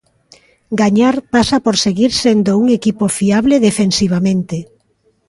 Gañar pasa por seguir sendo un equipo fiable defensivamente.